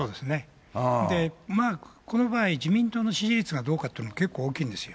まあ、この場合、自民党の支持率がどうかというのは、結構大きいんですよ。